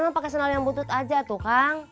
emang pakai sendal yang butut aja tuh kang